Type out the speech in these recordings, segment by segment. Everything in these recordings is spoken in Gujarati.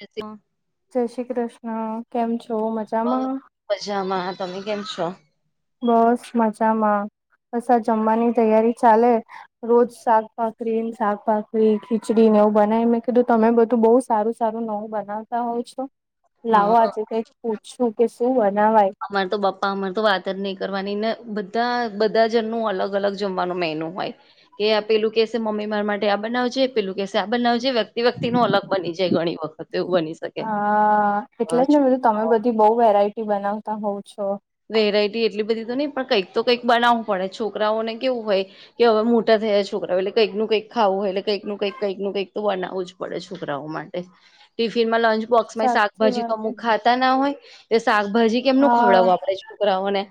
એ [inaudible] જય શ્રી કૃષ્ણ કેમ છો? મજા હહ મજામાં. તમે કેમ છો? બસ મજામાં. બસ આ જમવાની તૈયારી ચાલે. રોજ શાક ભાખરીને, શાખ ભાખરી, ખીચડીને એવું બનાઈ મેં કીધું તમે બધું બહુ સારું સારું નવું બનાવતા હોઉ છો. લાવો હા આજે કંઈક પૂછું કે શું બનાવાય? અમારે તો બાપ્પા અમારે તો વાત જ નહીં કરવાની, ને બધા-બધા જણનું અલગ-અલગ જમવાનું મેનુ હોય. કે આ પેલું કેહેશે, મમ્મી માર માટે આ બનાવજે, પેલું કહેશે આ બનાવજે, વ્યક્તિ-વ્યક્તિ નો અલગ બની જાય ઘણી વખત. એવું બની શકે. હા. અ, એટલે જ ને બધું તમે છોકરાઓ બધી બહું વેરાયટી બનાવતા હોવ છો. વેરાઈટી એટલી બધી તો નહીં પણ કંઈક તો કંઈક બનાવું પડે, છોકરાઓને કેવું હોય કે હવે મોટા થયા છોકરાવ, એટલે કંઈકનું કઈકા ખાવું એટલે કંઈક નું કંઈક કંઈક નું કંઈક તો બનાવું જ પડે છોકરાઓ માટે. ટિફિન માં લંચ બોક્સ માં એય સાચી શાકભાજી તો વાત અમુક ખા તા ના હોય, તે શકભાજી કે કેમનું હા ખવડાવવું આપ પણે છોકરાઓને.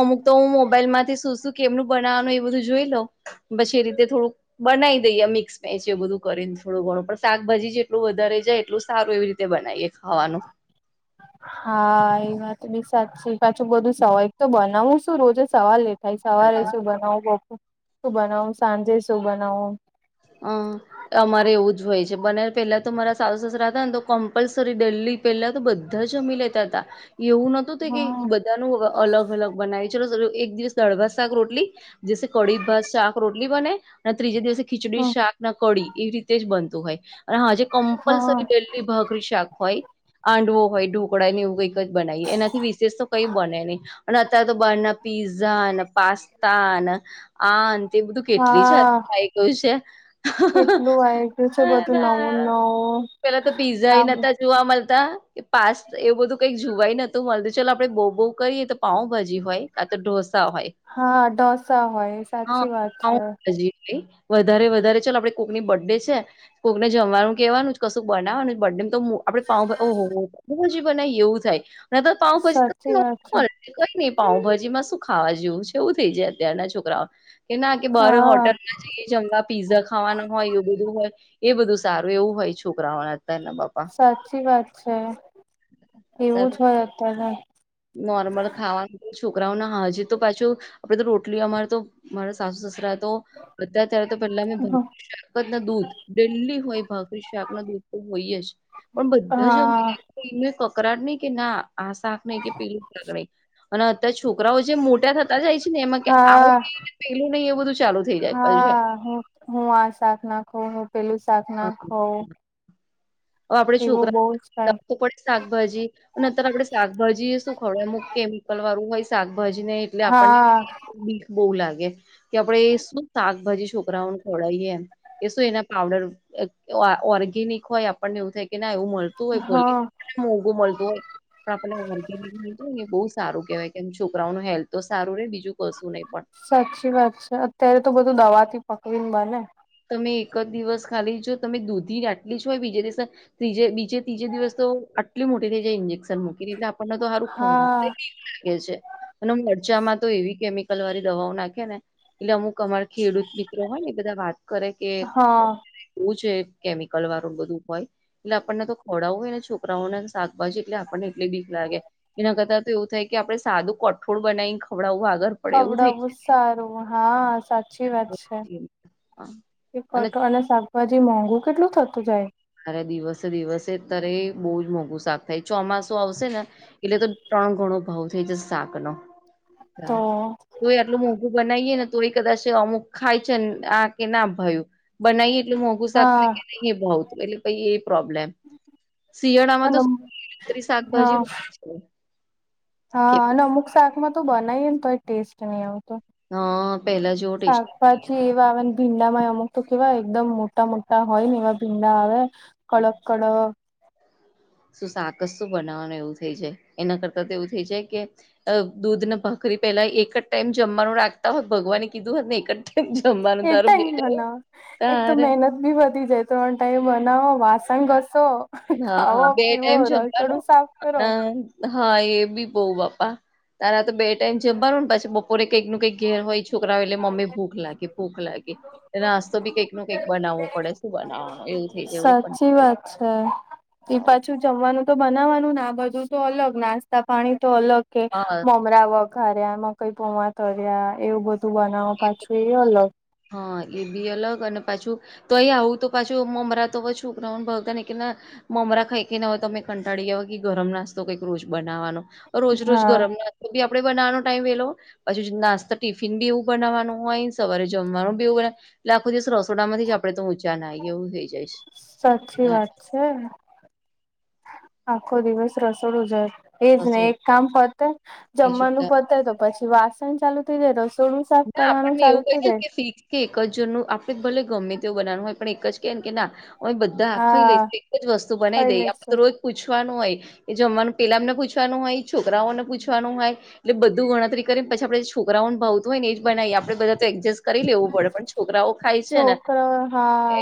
અમુક તો હું મોબાઈલ માંથી શું-શું કેમનું બનાવાનું એ બધું જોઈ લઉં. બછેરી તે થોડુંક બનાઈ દઈએ મિક્સ [unintelligible] એ બધું કરીને થોડું ઘણું, પણ શાકભાજી જેટલું વધારે જાય એટલું સારું એવી રીતે બનાઈએ. ખાવાનું. હા એ વાત બી સાચી, પાછું બધું સવાલ, એક તો બનાવું શું રોજે સવાલ એ ભઈ સવારે શું બનાવું, બપો શું બનાવું, સાંજે શું બનાવું. અહ અમારે એવું જ હોય છે, બને પેલા તો મારા સાસુ સસરા હતા ને તો કમ્પલસરી ડેલી પહેલા તો બધા જમી લેતા તા. એવું નહોતું થઈ કે હા બધા નું અલગ-અલગ બનાઈએ, ચલો [unintelligible] એક દિવસ દાળ, ભાત, શાક, રોટલી, જેસે કડી, ભાત, શાક, રોટલી બને ને ત્રીજે દિવસે ખીચડી, હા શાક ને કડી એવી રીતે જ બનતું હોય. અને હાજે હા કમ્પલસરી ડેલી ભાખરી શાક હોય આંડવો હોય, ઢોકળા ને એવું કંઈક જ બનાઈએ, એનાથી વિશેષ તો કંઈ બને નહીં. અને અત્યારે તો બાર ના પીઝા ને, પાસ્તા ને, આન તે બધું કેટલી જાત હા [unintelligible] કેટલું આવી ગયું છે બધું નવું નવું પેલા તો પીઝા એય આમ નતા જોવા મળતા કે પાસ્ત, એવું બધું કંઈક જોવાય નતું મલતું, ચલો આપડે બહુ-બહુ કરીએ તો પાઉંભાજી હોય. કા તો ઢોસા હોય. હા ઢોસા હોય, સાચી વાત છે. [unintelligible] વધારે-વધારે, ચાલો આપડે કોકની બર્થ ડે છે, કોકને જમવાનું કહેવાનું છ, કશું બનાવવાનું બર્ડે મ તો આપડે પાઉભા ઓહો [unintelligible] બનાય એવું થાય સાચી વાત છે [unintelligible] ને કંઈ નહી પાઉંભાજી માં શું ખાવા જેવું છે, એવું થઈ જાય અત્યારના છોકરાઓ કે ના કે બારે હા હોટલના જ [unintelligible] પીઝા ખાવાના હોય, એવું બધું હોય, એ બધું સારું એવું હોય છોકરાઓના અત્યારના બાપ સાચી વાત છે. અત્યારે એવું તો જ હોય અત્યારે. છોકરાઓ ના હાજે તો પાછું આપડે તો રોટલી અમાર તો મારા સાસુ સસરા તો બધા અત્યારે તો પેલા [unintelligible] શાક અને દૂધ, ડેલી હોય, ભાખરી, શાક ને દૂધ તો હોય જ. પણ બધા જ અમે હા [inaudible] એનું કકરાટ નહી કે ના આ શાક નહીં, કે પેલું [inaudible] નહીં, અને અત્યારે છોકરાઓ જે મોટા થત તા જાય છે ને એમાં કે [inaudible] હા નહી ને પેલું નહી એવું બધું ચાલુ થઈ જાય પછી હવે હા, હું-હું આ શાક ના ખાવ, હું પેલું શાક ના ખાવ હવે આપડે છોકરા જ થાય [inaudible] શાકભાજી અને અતાર આપડે શાકભાજી એ શું ખવડાવી, અમુક કેમિકલ વાળું હોય શાકભાજી ને એટલે આપણને- હા બહુ લાગે, કે આપડે શું શાકભાજી છોકરાઓને ખવડાવીએ એમ. કે શું એના પાવડર અ ઓર્ગેનિક હોય, આપણને એવું થાય કે ના એવું મલતું હોય હા [unintelligible] મોંઘું મલતું હોય. પણ આપેને વળગીધું તો અહીયા બહુ સારું કેહેવાય કેમ છોકરાઓનું હેલ્થ તો સારું રે બીજું કશું નહીં પણ- સાચી વાત છે અત્યારે તો બધું દવા થી પકડી ને બને તમે એક જ દિવસ ખાલી જો તમે દૂધી ડાટલી જ હોય બીજે દિવસે- ત્રીજે બીજે ત્રીજે દિવસ તો આટલી મોટી થઈ જાય ઇન્જેક્શન મૂકી એટલે- આપણને તો સારું ખ હા લાગે છે. અને મરચામાં તો એવી કેમિકલ વાળી દવાઓ નાખે ને- એટલે અમુક અમારા ખેડૂત મિત્રો હોય ને બધા વાત કરે- કે હા- એવું છે કેમિકલ વાળું બધું હોય એટલે આપણને તો ખોડા હોય ને છોકરાઓને શાકભાજી એટલે- પણ એટલી બીક લાગે એના કરતા તો એવું થાય કે આપડે સાદું કઠોળ બનાવીને ખવડાવું આગળ- પડે એવું થઈ ખવડાવવું સારું હા સાચી વાત છે. જાય હા એ કટોળ અને શાકભાજી મોંઘું કેટલું થતું જાય- અરે દિવસે દિવસેત્યારે બહુ જ મોંઘું શાક થાય ચોમાસું આવશે ને- એટલે તો ત્રણ ગણો ભાવ થઈ જ શાક નો- તો તાર તોય આટલું મોંઘું બનાવીએે ને તોય કદાચ- અમુક ખાય છે આ કે ના ભયું બનાવી એટલું મોંઘું શાક હા થાય કે નહી એ ભાવ- પે પ એ પ્રોબ્લેમ શિયાળામાં અને તો હા શાકભાજી [inaudible] કે હા અને અમુક શાક માં તો બનાવી ને તોય ટેસ્ટ નહી આવતો- અ પેલા જેવો ટેસ્ટ શાકભાજી એ- આવે ને ભીંડામાં અમુક તો કેવાય એકદમ મોટા મોટા હોય ને એવા ભીંડા આવે- કોળકળો- શું સાકસું બનાવવાનું એવું થઈ જાય એના કરતા તો એવું થઇ જાય કે- દૂધને ભાખરી પેલા એક જ ટાઈમ જમવાનું રાખતા હોય ભગવાને કીધું હોત ને એક જ- ટાઈમ જમવાનું એક તારું ટંગ બેટ મ ન [inaudible] એક તો તારે મહેનત બી વધી જાય ત્રણ ટાઈમ બનાવો વાસણ ઘસો હા, હા, ખાવો- બે પીવો ટાઈમ રડ જમવાનું તડું સાફ કરો- હા એ ભી પોવ પાપા- તારા તો બે ટાઈમ જમવાનું ને પછી બપોરે કંઈક નું કંઈક ઘેર હોય છોકરાઓ એટલે મમ્મી ભૂખ લાગે ભૂખ લાગે- નાસ્તો બી કંઈક નો કંઈક બનાવવો પડે શું બનાવાનો એવું થઈ જાય એવું સાચી બડે વાત [unintelligible] જમવાનું તો બનાવાનું ને આ બધું તો અલગ નાસ્તા પાણી તો અલગ કે હા મમરા વક- ખ્યા મકઈ પોમા તર્યા એવું બધું બનાવો પાછું એ અલગ- હા એ બી અલગ અને પાછું- તો અહી આવું તો પાછું મમરા તો પછું ભોતા નને કેને- મમરા ખાઈ કેને હોય તો તમે કંટાળી ગય કે ગરમ નાસ્તો કંઈક રોજ બનાવવાનો- રોજ રોજ હા ગરમ નાસ્તો બી આપડે બનાવાનો ટાઈમ વેલો પછી નાસ્તા ટિફિન બી એવું- બનાવવાનું હોય સવારે જમવાનું બીવું બ- લાખો દિવસ રસોડા માંથી જ આપડે તો ઊંચા નાઈએ એવું થઈ જઈશ- સાચી વાત છે આખો દિવસ રસોડું જાય- એજ ને રસોડું એક કામ પતે બીજું જમવાનું કાંઈ પતે તો પછી વાસણ ચાલુ થઇ જાય રસોડું- સાફ ના કરવાનું આપણને ચાલુ એવું કહે થઈ છે જાય કે શીખ- કે એક જનું આપડે ભલે ગમે તેવું બનાવવાનું હોય પણ એક જ કે કે ના- બધાખી લઈ હા તો એક જ વસ્તુ બનાવી ખાઈ દઈએ આપડે લેશે તો રોજ- પૂછવાનું હોય એ જમવાનું પેલામને પૂછવાનું હોય છોકરાઓને પૂછવાનું હોય- એટલે બધું ગણતરી કરીે, પછી આપડે છોકરાઓ ભાવ હોય ને, એ જ બનાવી આપડે બધા તો એડજસ્ટ કરી લેવું પડે. પણ છોકરાઓ ખાય છે ને? છોકરા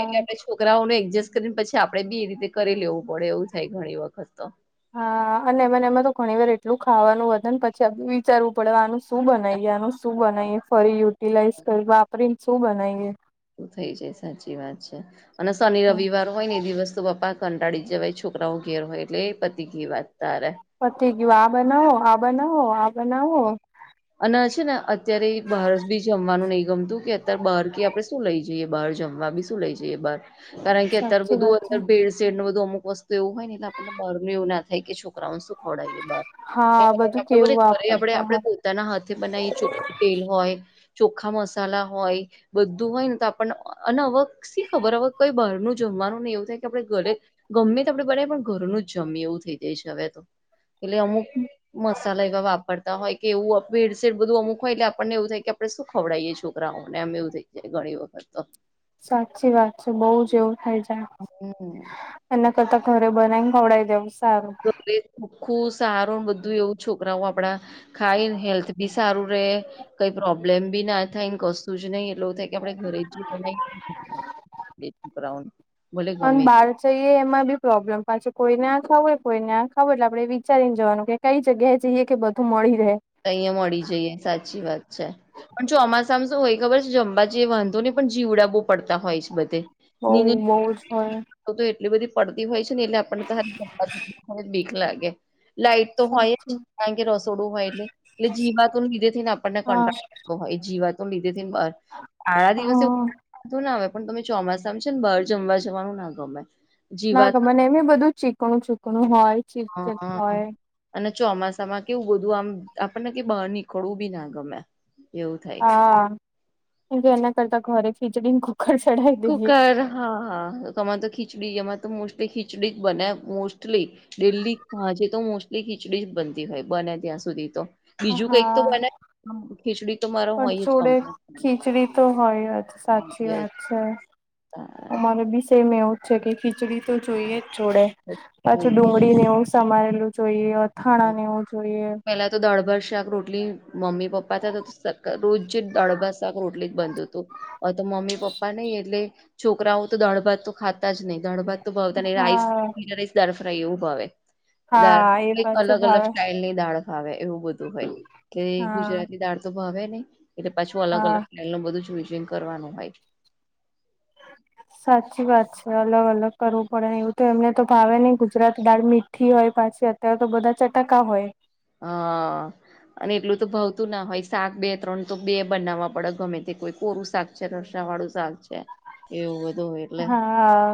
એટલે આપણે છોકરાઓને એડજસ્ટ કરીને પછી આપડણે બી એ રીતે કરી લેવું પડે એવું થાય ઘણી વખત તો- હા અને એમને એમાં તો ઘણી વાર એટલું ખાવાનું વધ પછી વિચારવું પડવાનું- શું બનાવીએ આનું શું બનાવીએ ફરી યુટિલાઈઝ કરી વાપરીને શું બનાવીએ- શું થઈ જાય સાચી વાત છે અને શનિ રવિવાર- હોય ને એ દિવસ તો પપ્પા કંટાળી જવાય છોકરાઓ ઘેર હોય એટલે એ પતિ ઘી વાત તારે- પતી ગયું. આ બનાવો, આ બનાવો, આ બનાવો. અને છે ને, અત્યારે બહાર બી જમવાનું નહીં ગમતું કે અત્યારે બહાર કે આપડણે શું લઈ જઈએ? બહાર જમવા બી. લઈ જઈએ બહાર, કારણ કે અત્યારે સાચી બધું વાત છે અંદર ભેડસેડ નું, બધું અમુક વસ્તુ તો એવું હોય ને, એલે આપને બાર નું એવું ના થાય કે છોકઓને શું ખડાવીએ બહાર? હા, બધું કેવું ફરે આપડે, વાપરતા આપણે હોય પોતાના હાથે બનાવીએ. ચોખ્ખું તેલ હોય. ચોખા મસાલા હોય, બધું હોય ને, તો આપણને અને અક શી ખબર કંઈ બહારનું જમવાનું નહીં. એવું થાય કે આપણે ઘરે ગમે તો બનાવી પણ ઘરનું જમીએ, એવું થઈ જાય છે હવે તો. એટલે અમુક મસાલા એવા વાપ હોય કે એવું ભેડસેળ બધું અમુક હોય, એટલે આપણને એવું થાય કે આપણે શું ખવડીએ છોકરાઓને, એવું થાય. ગણી વખતો. સાચી વાત છે, બઉ જ એવું થઈ જાય. હમ. એના કરતા ઘરે બનાવીને ખવડાવ દેઈશ. ટીખું સારું એવું બધું, એવું છોકરાઓ આપડા ખાઈને હેલ્થ બી સારું રહે, કંઈ પ્રોબ્લેમ બી ના થાય ને, કશું જ નઈ એટ થ આપડે ઘરે ભલે અને ગમે તે બાર તો એમાં બી પ્રોબ્લેમ, પાછું કોઈને આ ખબર, કોઈને આ ખબર. એટલે આપણેે વિચારી ને જવાનું કે કઈ જગ્યાએ જઈએ કે બધું મળી રહે. અહિયાં મળી જઈએ, સાચી વાત છે. પણ ચોમાસામાં તો હોય ખબર છે, જાંબુ જે વાંધો ને, પણ જીવડાવવો પડતા હોય છે બધે. બઉ નીની બઉ જ હોય. તો તો એટલી બધી પડતી હોય છે ને, એટલે આપણને તો બીક લાગે. લાઈટ તો હોય જ, સાચી કારણ કે રસોડું હોય એટલે. એટલે જી વાતોને લીધે થઈને આપણને હા કન્ટ્રાક્ટ જીવાત લીધે ને બ આડા દિવસે હા બધું ના આવે. પણ તમે ચોમાસામાં છે ને, બહાર જમવા જવાનું ના ગમે. ના જીવાત ગમે મને એમ બધું ચીકણું-ચૂકણું હોય. ચીપચીપ હમ. હોય અને ચોમાસામાં કેવું, બધું આમ આપણને કે બહાર નીકળવું બી ના ગમે, એવું થાય. હા, એ કે એના કરતા ઘરે ખીચડીને કુકર ચઢાવી દઈએ કુકર. હા, હા તમાર તા તો ખીચડી જેમાં તો મોસ્ટલી ખીચડી બને મોસ્ટલી. ડેઇલી સાંજે તો મોસ્ટલી ખીચડી જ બનતી હોય બને ત્યાં સુધી તો. બીજું હા કંઈક તો બને, તો ખીચડી તો મારો પણ હોય જ, જોડે કંપલસરી. ખીચડી તો હોય સાચી વાત. અરછા, અમારે બી વિષયમાં એવું છે કે ખીચડી તો જોઈએ જ જોડે. પાછું જોઈએ ડુંગળી ને એવું સમારેલું જોઈએ, અથાણા ને એવું જોઈએ. પેલા તો દાળ-ભાત, શાક, રોટલી. મમ્મી-પપ્પા તો રોજ જી દાળ-ભાત, શાક, રોટલી જ બનતી. તો મમ્મી-પપ્પા નહીં એટલે છોકરાઓ તો દાળ-ભાત તો ખાતા જ નહી, દાળ-ભાત ભાવે નહીં, રાઈસ, હા જીરા રાઈસ, દાળ ફ્રાય એવું ભાવે. દાળ હા, એ કઈક પણ. અલગ અલગ સ્ટાઈલ ની દાળ ભાવે, એવું બધું હોય કે હા ગુજરાતી દાળ તો ભાવે નહીં. એટલે પાછું અલગ હા અલગ સ્ટાઇલ નું બધું જ જોઈ જોઈને કરવાનું હોય. સાચી વાત છે, અલગ અલગ કરવું પડેને, અહીં તો એમને તો ભાવે નહિં ગુજરાતી દાળ. મીઠી હોય પાછી, અત્યારે તો બધા ચટાકા હોય. હા. અને એટલું તો ભાવતું ના હોય શાક બે ત્રણ તો બે બનાવવા પડે ગમે તે કોઈ કોરું શાક. રસાવાળું શાખ છે એવું બધું હોય. એટલે હા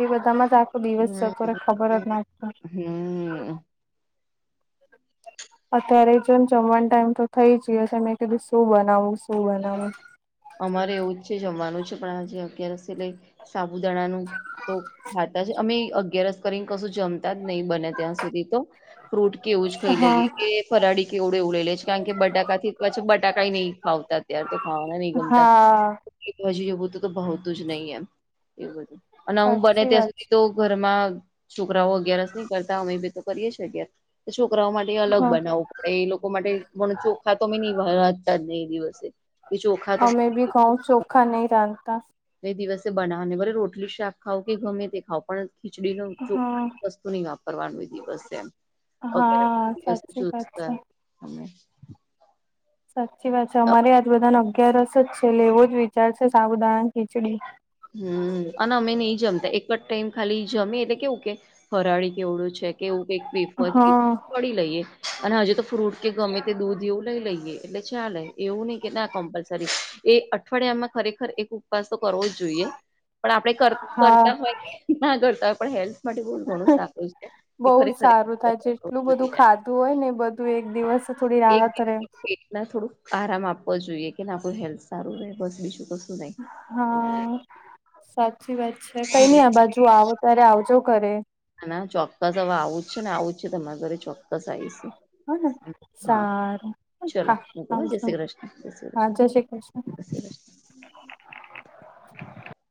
એ બધામાં જ આખો દિવસ હમ જતો રે ખબર જ નાખ. હમ. [inaudible] અત્યારે જો જમવાનું ટાઈમ તો થઈ જયો છે મેં કીધું શું બનાવું શું બનાવું. અમારે એવું જ છે જમવાનું છે પણ આજે અગિયારસ છે એટલે. સાબુદણાનુંતો ખાતા છે અમે અગિયાર કરીને કશું જમતા જ નહી બને ત્યાં સુધી તો. ફ્રૂટ કેવું જ ખાઈ હા લઈએ કે ફરાળડી કેવડું એવું લઈ લઈ છે કારણ કે બટાકાથી કછ બટાકાઈ નહી ખાવત અર તો ખાવાના નહી ગમતા હા હજીવું તો તો બતું જ નહીિ એમ એવું બધું- અને હું બને સાચી ત્યાં વાત સુધી તો ઘરમાં છોકરાઓ અગિયારસ નહી કરતા અમે બ તો કરીએ અગયાર તો છોકરાઓ માટે- છે અલગ હા બનાવવું પડે એ લોકો માટે ચોખા તોમેં નહીતા જ ને એ દિવસે કે ચોખા. તો અમે ભી ઘઉં ચોખા નહી રાંધતા. એ દિવસે બનાવવાને ભલે રોટલી શાક ખાાવ કે ગમે તે ખાઓ પણ. ખીચડી ન ચોખ હા વસ્તુ નહી વાપરવાનું દિવસે એમ. ઓ હા સાચી વાત ચુસ્મે છે [unintelligible] સાચી વાત છે અમારે આજ બધાને અગિયારસ જ છે એટલે એવો જ વિચારશે સાબુદાણાની ખીચડી. હમ અને અમે નહી જમતા એક જ ટાઈમ ખાલી જમે એટલે કેવું કે ફરાળી ચેવડો છે. કે એવું કઈક વેફર હા તડી લઈએ અને હજુ તો ફ્રૂટ કે ગમે તે દૂધ એવું લઈ લઈએ. એટલે ચાલે એવું નહિ કે ના કમ્પલસરી એ અઠવાડિયામાં ખરેખર એક ઉપવાસ તો કરવો જ જોઈએ પણ આપણે હા કરતા હોય ના કરતા હોય પણ હેલ્થ માટે બહ ઘણું સારું છે. બહુ કે જ ખરેખર સારું થાય જેટલું બધું એક ખાધું હોય ને બધું એક દિવસ થોડી રાહત રહેે. ના થોડું આરામ આપવો જોઈએ કે ના આપણું હેલ્થ સારું રહે બસ બીજું તો. હા. સાચી વાત છે કઈ નઈ આ બાજુ આવો ત્યારે આવજો ઘરે - ના ના ચોક્કસ હવે આવું જ છે ને આવું જ છે તમારા ઘરે ચોક્કસ આવીશું હ ને હા સારું ચલો હા હક હ જય આવજો શ્રી કૃષ્ણ જય શ્રી હા કૃષ્ણ- જય શ્રી કૃષ્ણ એ [inaudible]